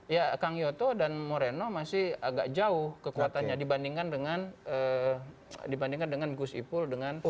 ya kang yoto dan moreno masih agak jauh kekuatannya dibandingkan dengan gus ipul dengan kopit pak